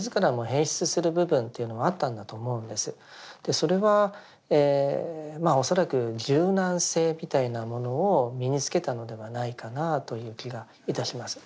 それはまあ恐らく柔軟性みたいなものを身につけたのではないかなという気がいたします。